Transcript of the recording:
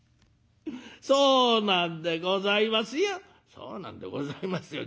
「そうなんでございますよ」。